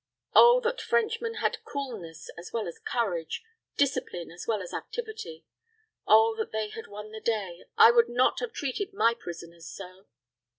Oh, that Frenchmen had coolness as well as courage, discipline as well as activity! Oh, that they had won the day: I would not have treated my prisoners so.